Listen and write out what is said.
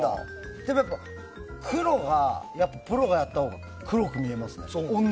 でもやっぱりプロがやったほうが黒く見えますね。